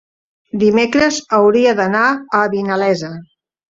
Dimecres hauria d'anar a Vinalesa.